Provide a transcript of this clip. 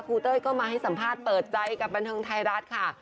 เต้ยก็มาให้สัมภาษณ์เปิดใจกับบันเทิงไทยรัฐค่ะ